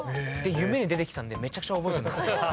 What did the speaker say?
夢に出てきたんでめちゃくちゃ覚えてます。